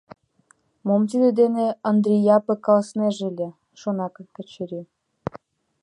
— Мом тидын дене Ондри Япык каласынеже ыле? — шона Качырий.